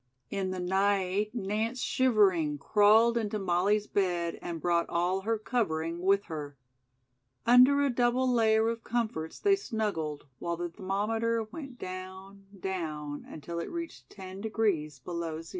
In the night, Nance, shivering, crawled into Molly's bed and brought all her covering with her. Under a double layer of comforts they snuggled while the thermometer went down, down until it reached ten degrees below zero.